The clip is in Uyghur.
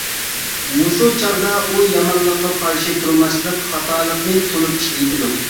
مۇشۇ چاغدا ئۇ «يامانلىققا قارشى تۇرماسلىق» خاتالىقىنى تونۇپ يېتىدۇ.